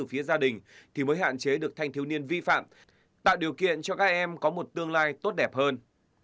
phía gia đình thì mới hạn chế được thanh thiếu niên vi phạm tạo điều kiện cho các em có một tương lai tốt đẹp hơn